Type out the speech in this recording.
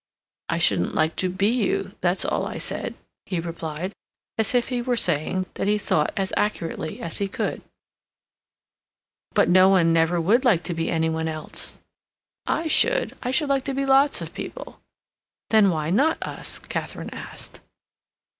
"I shouldn't like to be you; that's all I said," he replied, as if he were saying what he thought as accurately as he could. "No, but one never would like to be any one else." "I should. I should like to be lots of other people." "Then why not us?" Katharine asked.